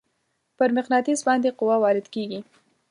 پر مقناطیس باندې قوه وارد کیږي.